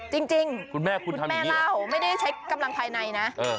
จริงคุณแม่เล่าไม่ได้ใช้กำลังภายในนะ